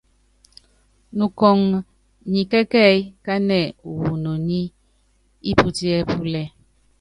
Nukɔ́ŋ nyi kɛ́kɛ́yí kánɛ wu inoní íputíɛ́púlɛ.